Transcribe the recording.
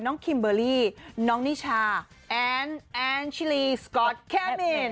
น้องคิมเบอร์ลี่น้องนิชาแอนด์แอนด์ชิลีสกอร์ตแคมมิน